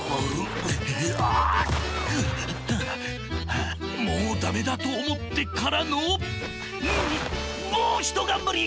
はあもうダメだとおもってからのもうひとがんばり！